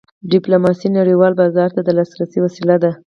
ډیپلوماسي نړیوال بازار ته د لاسرسي وسیله ده.